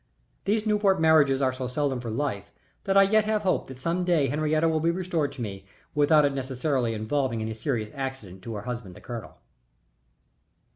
These Newport marriages are so seldom for life that I yet have hope that some day Henriette will be restored to me without its necessarily involving any serious accident to her husband the colonel.